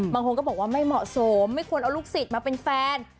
บางคนก็บอกว่าไม่เหมาะสมไม่ควรเอาลูกศิษย์มาเป็นแฟน